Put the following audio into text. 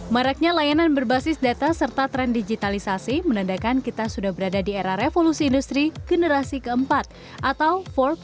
maraknya layanan berbasis data serta tren digitalisasi menandakan kita sudah berada di era revolusi industri generasi keempat atau empat